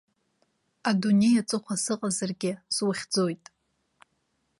Адунеи аҵыхәа сыҟазаргьы сухьӡоит.